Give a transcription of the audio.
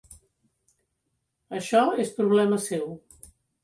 Això és problema seu .